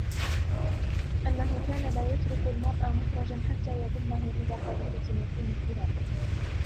أَنَّهُ كَانَ لَا يَتْرُكُ الْمَرْءَ مُفْرَجًا حَتَّى يَضُمَّهُ إلَى قَبِيلَةٍ يَكُونُ فِيهَا